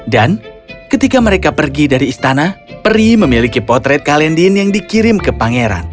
dan ketika mereka pergi dari istana peri memiliki potret kalendin yang dikirim ke pangeran